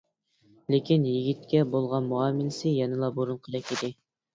لېكىن يىگىتكە بولغان مۇئامىلىسى يەنىلا بۇرۇنقىدەك ئىدى.